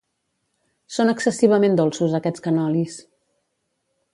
Són excessivament dolços aquests canolis